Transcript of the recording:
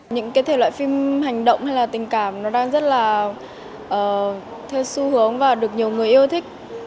những cái thể loại phim hành động hay là tình cảm nó đang rất là theo xu hướng và được nhiều người yêu thích